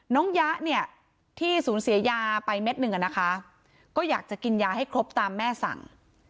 ยะเนี่ยที่สูญเสียยาไปเม็ดหนึ่งอะนะคะก็อยากจะกินยาให้ครบตามแม่สั่ง